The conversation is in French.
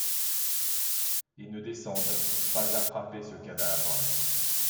Et ne descende. pas à frapper ce cadavre.